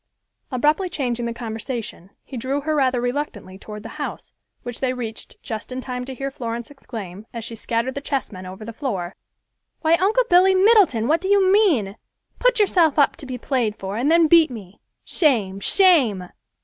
Abruptly changing the conversation, he drew her rather reluctantly toward the house, which they reached just in time to hear Florence exclaim, as she scattered the chessmen over the floor, "Why, Uncle Billy Middleton, what do you mean? Put yourself up to be played for, and then beat me; shame, shame."